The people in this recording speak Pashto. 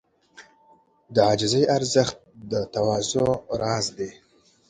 د عاجزۍ ارزښت د تواضع راز دی.